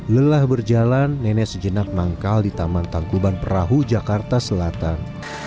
lelah berjalan nenek sejenak manggal di taman tangkuban perahu jakarta selatan